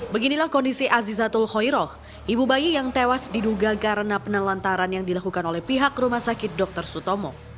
beginilah kondisi azizatul hoiroh ibu bayi yang tewas diduga karena penelantaran yang dilakukan oleh pihak rumah sakit dr sutomo